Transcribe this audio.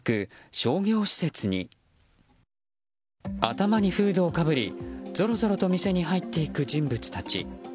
頭にフードをかぶりぞろぞろと店に入っていく人物たち。